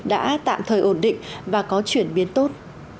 đã tạm thời ổn định và có chuyển biến tốt